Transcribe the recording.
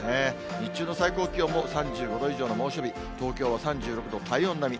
日中の最高気温も３５度以上の猛暑日、東京は３６度、体温並み。